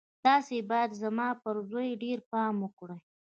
تاسې بايد زما پر زوی ډېر پام وکړئ.